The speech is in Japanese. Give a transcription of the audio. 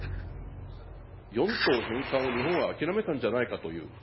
４島返還を日本は諦めたんじゃないかという。